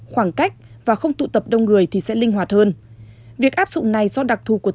khoảng cách và không tụ tập đông người thì sẽ linh hoạt hơn việc áp dụng này do đặc thù của